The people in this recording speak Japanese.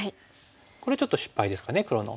これちょっと失敗ですかね黒の。